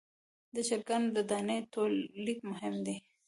د چرګانو د دانې تولید مهم دی